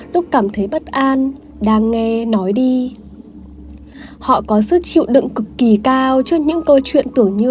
lúc cảm thấy bất an đang nghe nói đi họ có sức chịu đựng cực kỳ cao cho những câu chuyện tưởng như